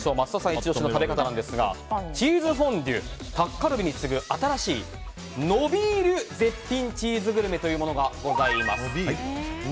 イチ押しの食べ方なんですがチーズフォンデュタッカルビに次ぐ新しい伸びる絶品チーズグルメというものがございます。